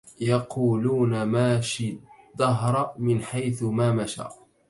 يقولون ماش الدهر من حيث ما مشى